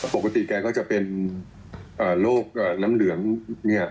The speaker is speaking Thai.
ปกติแกก็จะเป็นโรคกับน้ำเหลืองเนี่ย